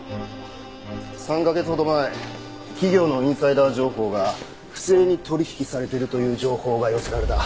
３カ月ほど前企業のインサイダー情報が不正に取引されているという情報が寄せられた。